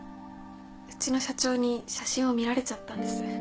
うちの社長に写真を見られちゃったんです。